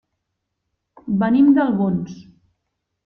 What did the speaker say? Venim d'Albons.